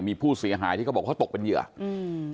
มีผู้เสียหายที่เขาบอกเขาตกเป็นเหยื่ออืม